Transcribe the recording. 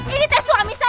dia ini tuh suami orang